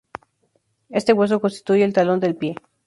Este hueso constituye el talón del pie.